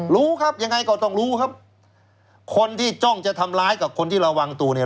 รู้ครับยังไงก็ต้องรู้ครับคนที่จ้องจะทำร้ายกับคนที่ระวังตัวเนี่ย